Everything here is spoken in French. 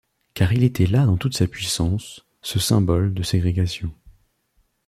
Car il était là dans toute sa puissance, ce symbole de ségrégation.